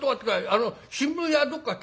あの新聞屋どこか聞いて」。